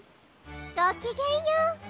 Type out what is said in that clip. ごきげんよう。